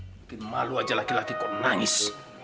mungkin malu aja laki laki kok nangis